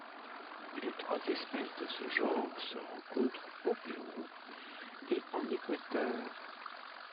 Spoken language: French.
Les trois espèces de ce genre se rencontrent au Pérou et en Équateur.